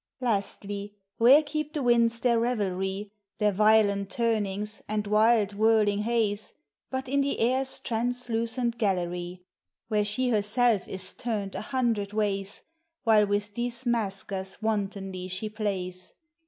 Lastly, where keep the winds their revelry, Their violent turnings, and wild whirling hays, But in the air's translucent gallery, THE SEAKOXS. 127 Where she herself is turned a hundred ways, While with these maskers wantonly she plays?